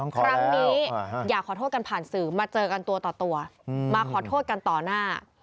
ครั้งนี้อยากขอโทษกันผ่านสื่อมาเจอกันตัวต่อตัวมาขอโทษกันต่อหน้า